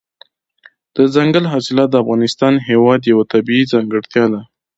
دځنګل حاصلات د افغانستان هېواد یوه طبیعي ځانګړتیا ده.